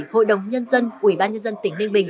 hội đồng nhân dân ủy ban nhân dân tỉnh ninh bình